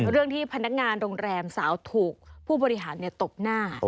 เรื่องที่พนักงานโรงแรมสาวถูกผู้บริหารตบหน้า